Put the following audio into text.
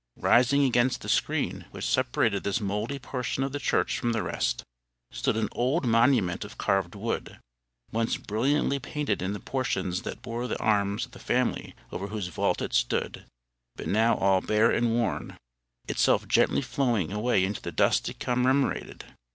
Rising against the screen which separated this mouldy portion of the church from the rest, stood an old monument of carved wood, once brilliantly painted in the portions that bore the arms of the family over whose vault it stood, but now all bare and worn, itself gently flowing away into the dust it commemorated.